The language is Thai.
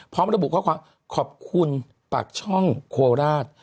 พร้อมระบุข้อความขอบคุณปากช่องโคราช